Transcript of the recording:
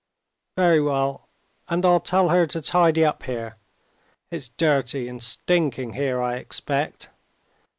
"Very well, and I'll tell her to tidy up here. It's dirty and stinking here, I expect.